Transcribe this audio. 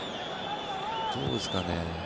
どうですかね。